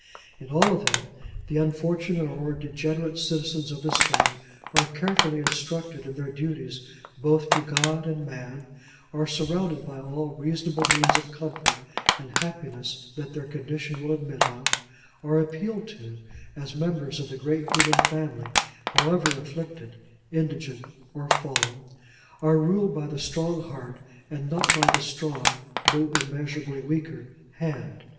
In all of them, the unfortunate or degenerate citizens of the State are carefully instructed in their duties both to God and man; are surrounded by all reasonable means of comfort and happiness that their condition will admit of; are appealed to, as members of the great human family, however afflicted, indigent, or fallen; are ruled by the strong Heart, and not by the strong (though immeasurably weaker) Hand.